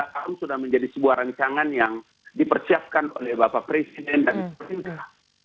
dua tahun sudah menjadi sebuah rancangan yang dipersiapkan oleh bapak presiden dan pemerintah